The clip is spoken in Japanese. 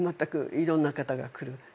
いろんな方が来る。